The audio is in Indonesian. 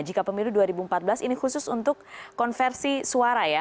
jika pemilu dua ribu empat belas ini khusus untuk konversi suara ya